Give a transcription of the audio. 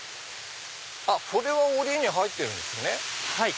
あっこれはおりに入ってるんですね。